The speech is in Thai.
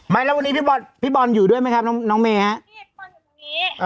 ไม่แล้ววันนี้พี่บอลพี่บอลอยู่ด้วยไหมครับน้องน้องเมฮะพี่บอลอยู่ตรงนี้